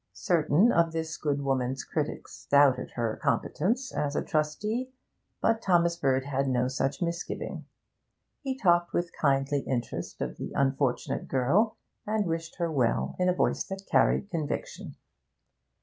Certain of this good woman's critics doubted her competence as a trustee, but Thomas Bird had no such misgiving. He talked with kindly interest of the unfortunate girl, and wished her well in a voice that carried conviction.